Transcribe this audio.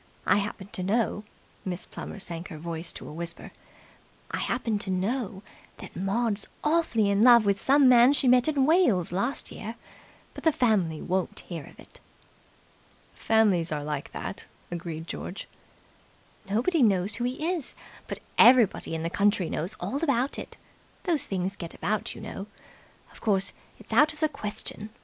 I happen to know" Miss Plummer sank her voice to a whisper "I happen to know that Maud's awfully in love with some man she met in Wales last year, but the family won't hear of it." "Families are like that," agreed George. "Nobody knows who he is, but everybody in the county knows all about it. Those things get about, you know. Of course, it's out of the question.